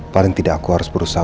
paling tidak aku harus berusaha